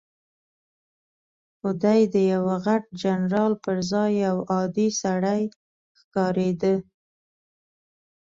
خو دی د یوه غټ جنرال پر ځای یو عادي سړی ښکارېده.